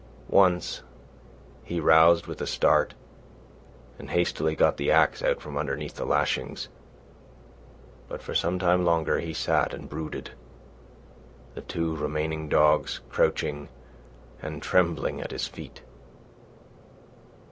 Once, he roused with a start and hastily got the axe out from underneath the lashings. But for some time longer he sat and brooded, the two remaining dogs crouching and trembling at his feet.